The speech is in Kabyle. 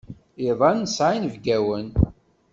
Iḍ-a nesεa inebgawen.